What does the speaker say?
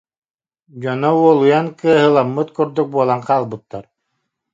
Дьоно уолуйан кыаһыламмыт курдук буолан хаалбыттар